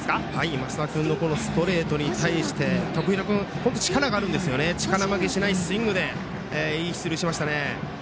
升田君のストレートに対して徳弘君、力があるので力負けしないスイングでいい出塁しましたね。